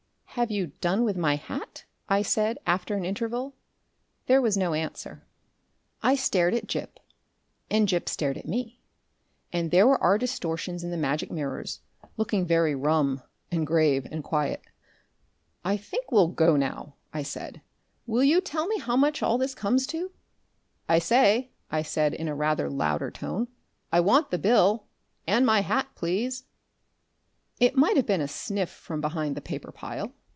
"Have you done with my hat?" I said, after an interval. There was no answer. I stared at Gip, and Gip stared at me, and there were our distortions in the magic mirrors, looking very rum, and grave, and quiet.... "I think we'll go now," I said. "Will you tell me how much all this comes to?.... "I say," I said, on a rather louder note, "I want the bill; and my hat, please." It might have been a sniff from behind the paper pile....